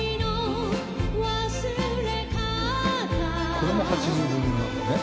「これも８５年なんだね」